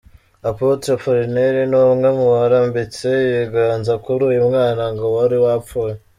Apotre Apollinaire ni umwe mu barambitse ibiganza kuri uyu mwana ngo wari wapfuye.